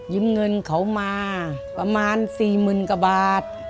ยืมเงินเขามาประมาณสี่หมื่นกว่าบาท